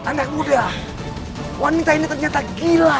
anak muda wanita ini ternyata gila